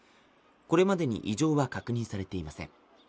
これまでに異常は確認されていません